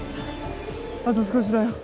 あと少しだよ。